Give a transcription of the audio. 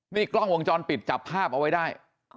นี่กล้องวงจรปิดจับภาพเอาไว้ได้